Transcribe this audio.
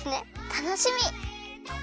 たのしみ！